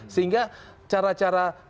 sehingga cara cara bagi